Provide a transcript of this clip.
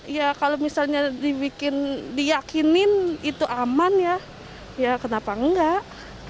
ya kalau misalnya dibikin diyakinin itu aman ya ya kenapa enggak